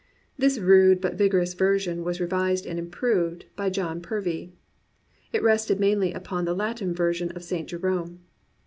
This rude but vigourous version was revised and improved by John Purvey. It rested mainly upon the Latin version of St. Je rome.